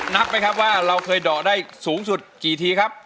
นับไหมครับว่าเราเคยเดาะได้สูงสุดกี่ทีครับ